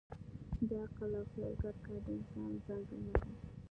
د عقل او خیال ګډ کار د انسان ځانګړنه ده.